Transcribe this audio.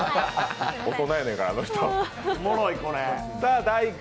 大人やねんから、あの人。